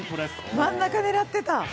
真ん中狙ってた。